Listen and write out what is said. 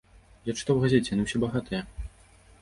Я чытаў у газеце, яны ўсе багатыя!